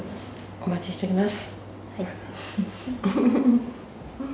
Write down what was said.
お待ちしております。